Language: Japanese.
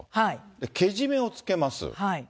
で、けじめをつけます。